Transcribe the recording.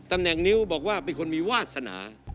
ตำแหน่งนิ้วบอกว่าเป็นคนมีวาสนา